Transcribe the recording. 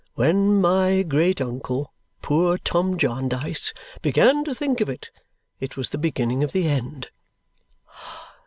When my great uncle, poor Tom Jarndyce, began to think of it, it was the beginning of the end!"